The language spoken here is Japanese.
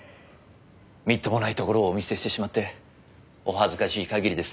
みっともないところをお見せしてしまってお恥ずかしい限りです。